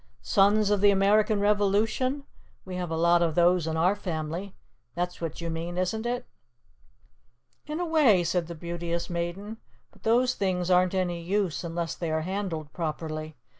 "Sons of the American Revolution? We have a lot of those in our family. That's what you mean, isn't it?" "In a way," said the Beauteous Maiden. "But those things aren't any use unless they are handled properly.